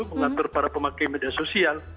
mengatur para pemakai media sosial